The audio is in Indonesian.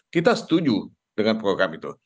kita setuju dengan program itu